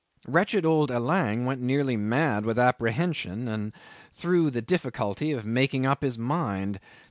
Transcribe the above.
Wretched old Allang went nearly mad with apprehension and through the difficulty of making up his mind.